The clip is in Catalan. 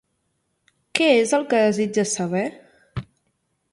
Què és el que desitges saber?